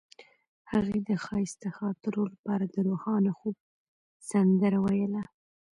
هغې د ښایسته خاطرو لپاره د روښانه خوب سندره ویله.